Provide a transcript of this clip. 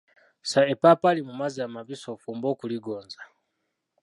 Ssa eppaapaali mu mazzi amabisi ofumbe okuligonza.